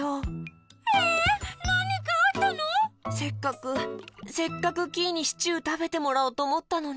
せっかくせっかくキイにシチューたべてもらおうとおもったのに。